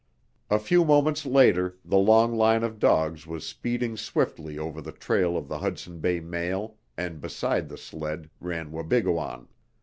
A few moments later the long line of dogs was speeding swiftly over the trail of the Hudson Bay mail, and beside the sled ran Wabigoon.